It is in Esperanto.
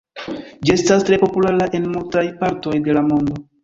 Ĝi estas tre populara en multaj partoj de la mondo.